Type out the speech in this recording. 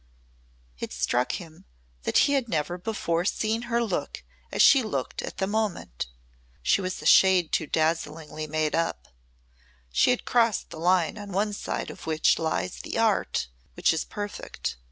It struck him that he had never before seen her look as she looked at the moment. She was a shade too dazzlingly made up she had crossed the line on one side of which lies the art which is perfect.